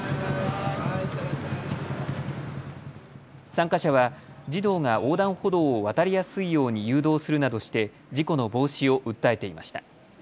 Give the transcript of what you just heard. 参加者は児童が横断歩道を渡りやすいように誘導するなどして事故の防止を訴えていました。